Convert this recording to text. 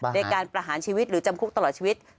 ในการประหารชีวิตหรือจำคุกตลอดชีวิต